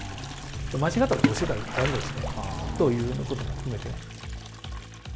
間違ったことを教えたら駄目ですねということも含めて。